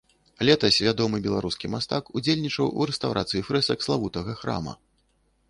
Летась вядомы беларускі мастак удзельнічаў у рэстаўрацыі фрэсак славутага храма.